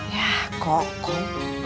yah kok kom